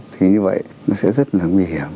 thì như vậy nó sẽ rất là nguy hiểm